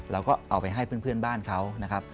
เราก็เอาไปให้เพื่อนบ้านเขานะครับ